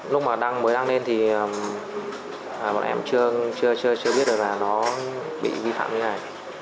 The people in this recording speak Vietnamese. lúc mà đăng mới đăng lên thì bọn em chưa biết được là nó bị vi phạm như thế này